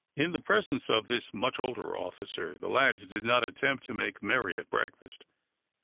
In the presence of this much older officer the lads did not attempt to make too merry at breakfast.